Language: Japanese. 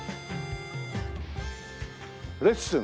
「レッスン」。